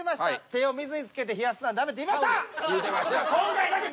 手を水に浸けて冷やすのはダメって言いました！